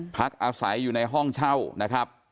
พักอาศัยอยู่ในห้องเช่านะครับ